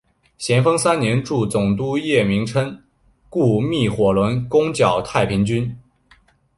咸丰三年助总督叶名琛雇觅火轮攻剿太平军。